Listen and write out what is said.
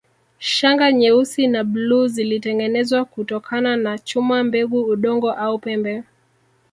Shanga nyeusi na bluu zilitengenezwa kutokana na chuma mbegu udongo au pembe